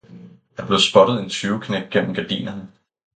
Der blev spottet en tyveknægt gennem gardinerne